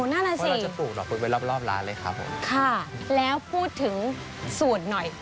เพราะเราจะปลูกดอกพุทธไปรอบรอบร้านเลยครับผมค่ะแล้วพูดถึงสูตรหน่อย